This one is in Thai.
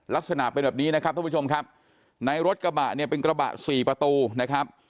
ลักษณะเป็นแบบนี้นะครับท่านผู้ชมครับในรถกระบะเนี่ยเป็นกระบะสี่ประตูนะครับ